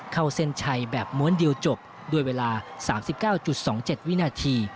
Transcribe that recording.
เข้าเส้นชัยแบบม้วนเดียวจบด้วยเวลาสามสิบเก้าจุดสองเจ็ดวินาที